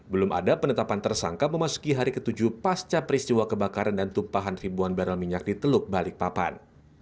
belum ada penetapan tersangka memasuki hari ke tujuh pasca peristiwa kebakaran dan tumpahan ribuan barrel minyak di teluk balikpapan